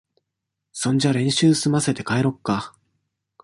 そんじゃ練習すませて、帰ろっか。